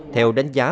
theo đánh giá